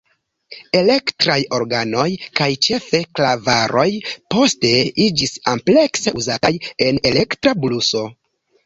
Elektraj organoj kaj ĉefe klavaroj poste iĝis amplekse uzataj en elektra bluso.